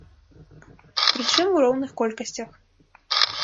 Прычым у роўных колькасцях.